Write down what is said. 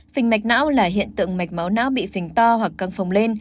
phình mạch não là hiện tượng mạch máu não bị phình to hoặc căng phồng lên